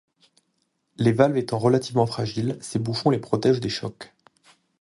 Les valves étant relativement fragiles, ces bouchons les protègent des chocs.